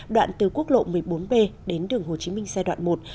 đoạn từ quốc lộ một mươi bốn b đến đường hồ chí minh xe đoạn một